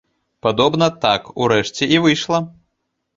Падобна, так, урэшце, і выйшла.